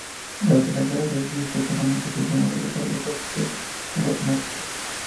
Durante la Guerra del Rif fue comandante segundo del guardacostas "Uad-Martín".